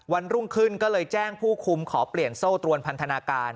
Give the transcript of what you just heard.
รุ่งขึ้นก็เลยแจ้งผู้คุมขอเปลี่ยนโซ่ตรวนพันธนาการ